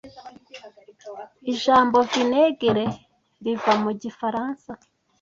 Ijambo vinegere riva mu gifaransa